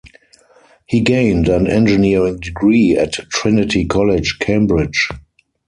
He gained an engineering degree at Trinity College, Cambridge.